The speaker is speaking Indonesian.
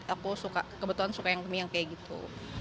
aku suka kebetulan suka yang mie yang kayak gitu